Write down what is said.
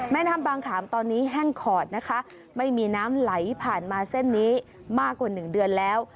แม่น้ำบางขามตอนนี้แห้งขอดนะคะไม่มีน้ำไหลผ่านมาเส้นนี้มากกว่าหนึ่งเดือนแล้ว